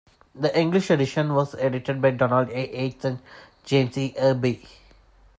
The English edition was edited by Donald A. Yates and James E. Irby.